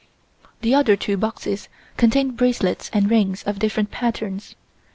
The other two boxes contained bracelets and rings of different patterns.